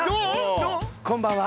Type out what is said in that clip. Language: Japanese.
こんばんは。